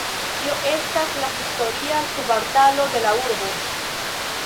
Tio estas la historia kvartalo de la urbo.